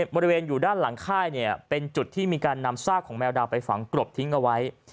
บริเวณอยู่ด้านหลังค่ายเป็นจุดที่มีการนำซากของแมวดาวไปฝังกรบทิ้งเอาไว้